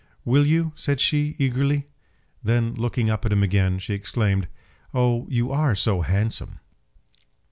"Will you?" said she, eagerly. Then looking up at him again, she exclaimed "Oh, you are so handsome!"